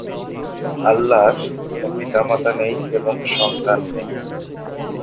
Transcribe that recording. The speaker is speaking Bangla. আল্লাহর কোন পিতা-মাতা নেই এবং সন্তান নেই।